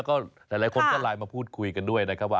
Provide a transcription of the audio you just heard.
ก็หลายคนก็ไลน์มาพูดคุยกันด้วยนะครับว่า